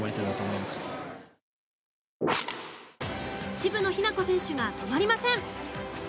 渋野日向子選手が止まりません。